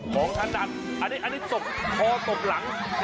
ของท่านนัดอันนี้สกคอสกหลัง